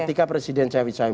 ketika presiden cawi cawi